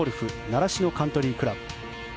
習志野カントリークラブ。